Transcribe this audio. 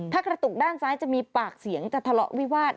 ถ้ากระตุกด้านซ้ายจะมีปากเสียงจะทะเลาะวิวาส